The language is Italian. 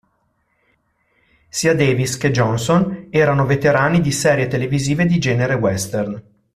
Sia Davis che Johnson erano veterani di serie televisive di genere western.